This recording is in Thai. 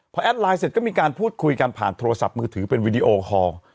พอแอดไลน์เสร็จก็มีการพูดคุยกันผ่านโทรศัพท์มือถือเป็นวิดีโอคอล